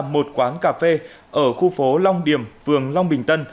một quán cà phê ở khu phố long điểm phường long bình tân